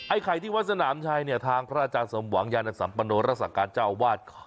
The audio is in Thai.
ไข่ที่วัดสนามชัยเนี่ยทางพระอาจารย์สมหวังยานสัมปโนรักษาการเจ้าวาด